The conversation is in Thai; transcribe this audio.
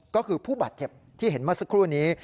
ก็คือผู้บาดเจ็บที่เห็นเมื่อสักครู่นี้